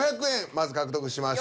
まず獲得しました。